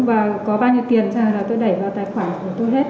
và có bao nhiêu tiền cho tôi đẩy vào tài khoản của tôi hết